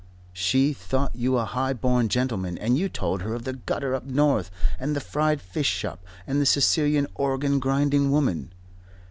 She thought you a high born gentleman, and you told her of the gutter up north and the fried fish shop and the Sicilian organ grinding woman.